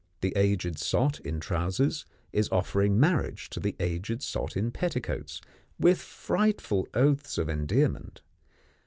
The aged sot in trousers is offering marriage to the aged sot in petticoats with frightful oaths of endearment.